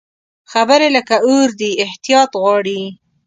خبرې لکه اور دي، احتیاط غواړي